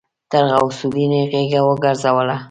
تر غوث الدين يې غېږه وګرځوله.